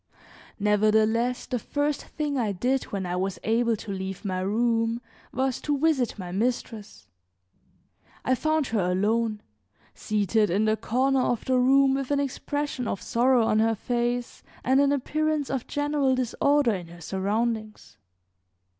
Nevertheless the first thing I did when I was able to leave my room was to visit my mistress. I found her alone, seated in the corner of the room with an expression of sorrow on her face and an appearance of general disorder in her surroundings.